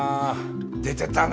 出てたね！